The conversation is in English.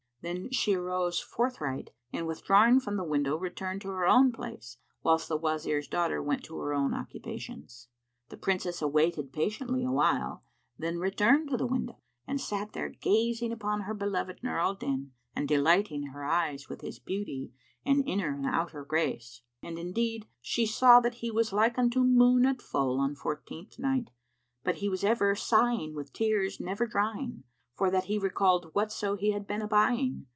Then she arose forthright and withdrawing from the window, returned to her own place, whilst the Wazir's daughter went to her own occupations. The Princess awaited patiently awhile, then returned to the window and sat there, gazing upon her beloved Nur al Din and delighting her eyes with his beauty and inner and outer grace. And indeed, she saw that he was like unto moon at full on fourteenth night; but he was ever sighing with tears never drying, for that he recalled whatso he had been abying.